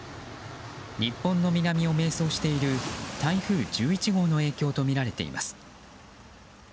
日本の南を迷走している台風１１号の影響とみられています。